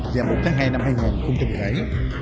và một tháng hai năm hai nghìn không trở lại